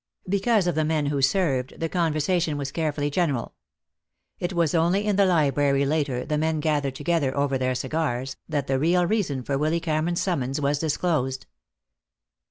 Because of the men who served, the conversation was carefully general. It was only in the library later, the men gathered together over their cigars, that the real reason for Willy Cameron's summons was disclosed.